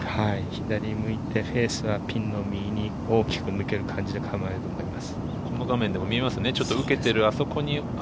フェースはピンの右に大きく向ける感じで構えると思います。